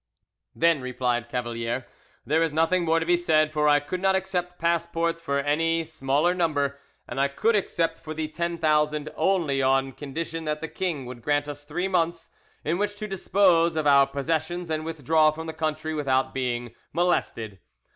"Then," replied Cavalier, "there is nothing more to be said, for I could not accept passports for any smaller number, and I could accept for the ten thousand only on condition that the king would grant us three months in which to dispose of our possessions and withdraw from the country without being molested.